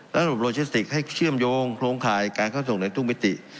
ระบบโลจิสติกให้เชื่อมโยงโครงข่ายการเข้าส่งในทุกมิติ